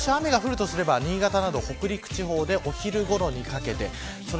もし雨が降るとすれば新潟、北陸地方でお昼ごろにかけてです。